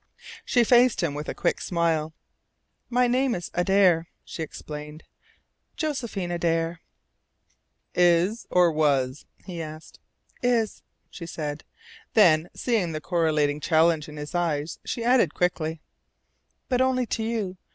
She faced him with a quick smile. "My name is Adare," she explained, "Josephine Adare." "Is or was?" he asked. "Is," she said; then, seeing the correcting challenge in his eyes she added quickly: "But only to you.